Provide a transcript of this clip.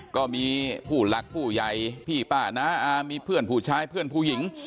ก็มีผู้หลักผู้ใหญ่พี่ป้าน้าอามีเพื่อนผู้ชายเพื่อนผู้หญิง